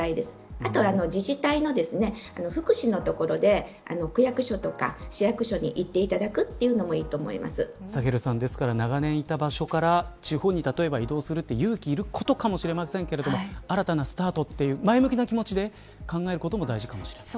あと自治体の福祉の所で区役所とか市役所に行っていただくというのもサヘルさん、ですから長年いた場所から地方に例えば移動するのは勇気がいることかもしれませんが新たなスタートという前向きな気持ちで考えることも大事かもしれない。